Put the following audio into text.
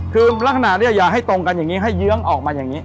คือลักษณะเนี่ยอย่าให้ตรงกันอย่างนี้ให้เยื้องออกมาอย่างนี้